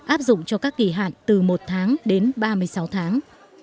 áp dụng cho các kỳ hạn từ một tháng đến ba mươi sáu tháng